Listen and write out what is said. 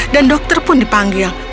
dan dokter pun dipanggil